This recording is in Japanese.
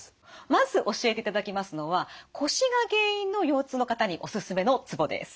まず教えていただきますのは腰が原因の腰痛の方にオススメのツボです。